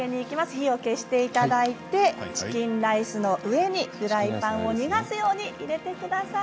火を消して頂いてチキンライスの上にフライパンを逃がすように入れて下さい。